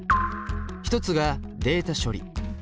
一つがデータ処理。